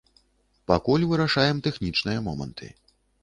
Пакуль вырашаем тэхнічныя моманты.